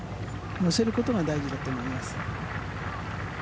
乗せることが大事だと思います。